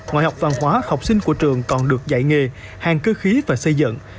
ngoài học văn hóa học sinh của trường còn được dạy nghề hàng cơ khí và xây dựng